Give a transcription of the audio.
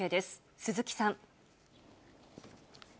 鈴木さん。